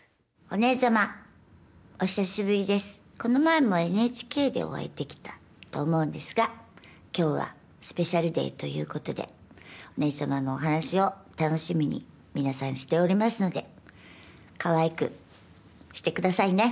この前もＮＨＫでお会いできたと思うんですがきょうはスペシャルデーということでお姉ちゃまのお話を楽しみに皆さんしておりますのでかわいくしてくださいね。